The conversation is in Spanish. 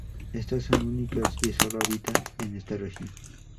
Éstas son únicas y solo habitan en esta región.